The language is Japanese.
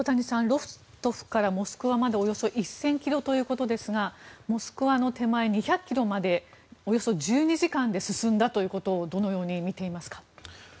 ロストフからモスクワまでおよそ１０００ｋｍということですがモスクワの手前２００ｋｍまでおよそ１２時間で進んだということをどのように見ていますか。